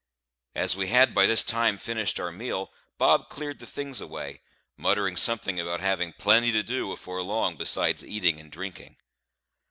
As we had by this time finished our meal, Bob cleared the things away, muttering something about having "plenty to do afore long besides eating and drinking."